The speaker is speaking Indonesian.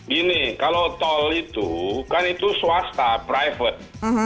gini kalau tol itu kan itu swasta private